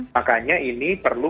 makanya ini perlu